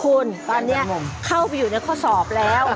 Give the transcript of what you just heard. คุณตอนนี้เข้าไปอยู่ในข้อสอบแล้ว